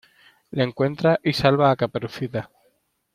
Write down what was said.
le encuentra y salva a Caperucita.